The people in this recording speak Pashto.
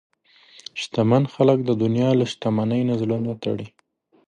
شتمن خلک د دنیا له شتمنۍ نه زړه نه تړي.